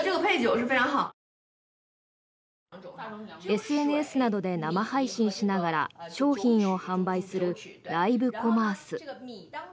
ＳＮＳなどで生配信しながら商品を販売するライブコマース。